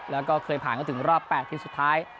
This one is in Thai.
แล้วก็เคยผ่านก็ถึงรอบ๘ทีมสุดท้าย